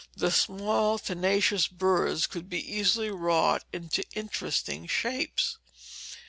The small, tenacious burs could be easily wrought into interesting shapes.